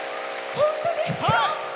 本当ですか？